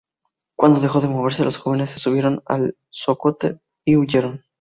Cuando dejó de moverse, los jóvenes se subieron al scooter y huyeron.